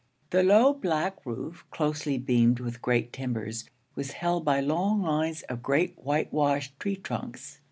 The low, black roof, closely beamed with great timbers, was held by long lines of great whitewashed tree trunks.